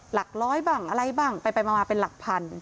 หลักร้อยบ้างอะไรบ้างไปมาเป็นหลักพัน